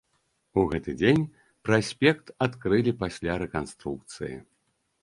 У гэты дзень праспект адкрылі пасля рэканструкцыі.